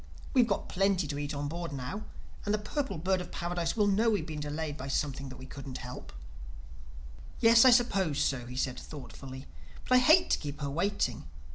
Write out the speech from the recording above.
We've got plenty to eat on board now; and the Purple Bird of Paradise will know that we have been delayed by something that we couldn't help." "Yes, I suppose so," he said thoughtfully. "But I hate to keep her waiting.